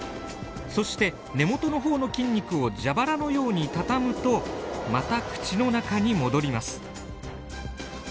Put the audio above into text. そして根元の方の筋肉を蛇腹のように畳むとまた口の中に戻ります。